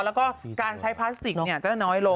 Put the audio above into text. แล้วก็การใช้พลาสติกเนี่ยก็จะน้อยลง